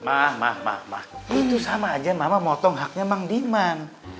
mah mah mah mah itu sama aja mama potong haknya mang diman